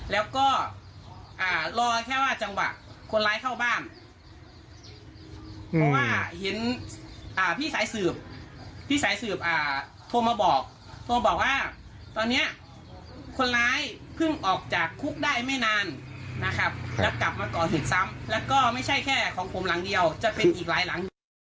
แล้วกลับมาก่อนเห็นซ้ำแล้วก็ไม่ใช่แค่ของผมหลังเดียวจะเป็นอีกหลายหลัง